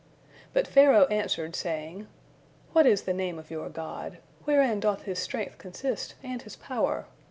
But Pharaoh answered, saying: "What is the name of your God? Wherein doth His strength consist, and His power?